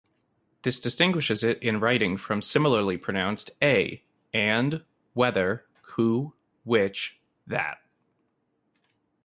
This distinguishes it in writing from similarly pronounced "a" "and; whether; who, which, that".